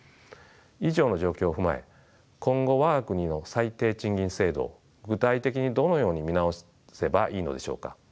以上の状況を踏まえ今後我が国の最低賃金制度を具体的にどのように見直せばいいのでしょうか。